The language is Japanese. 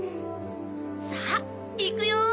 さぁいくよ！